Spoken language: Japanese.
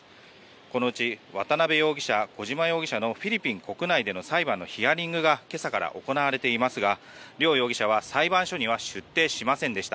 このうち渡邉容疑者、小島容疑者のフィリピン国内での裁判のヒアリングが今朝から行われていますが両容疑者は裁判所には出廷しませんでした。